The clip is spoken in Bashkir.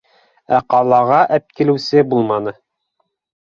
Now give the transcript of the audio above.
Ә ҡалаға әпкилеүсе булманы.